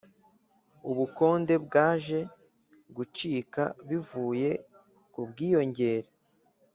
ubukonde bwaje gucika bivuye ku bwiyongere